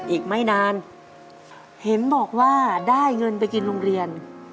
อีกไม่นานเห็นบอกว่าได้เงินไปกินโรงเรียน